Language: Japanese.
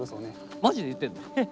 マジで言ってんの！？